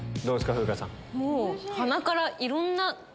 風花さん。